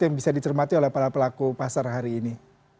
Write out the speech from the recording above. yang bisa dicermati oleh para pelaku pasar hari ini